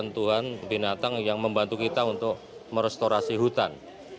bantuan tuhan binatang yang membantu kita untuk merestorasi hutan